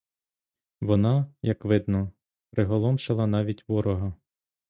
Вона, як видно, приголомшила навіть ворога.